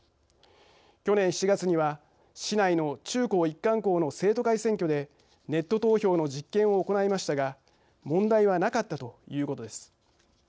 去年７月には市内の中高一貫校の生徒会選挙でネット投票の実験を行いましたが問題はなかったということです。